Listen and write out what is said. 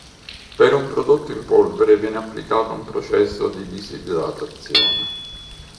Per un prodotto in polvere viene applicato un processo di disidratazione.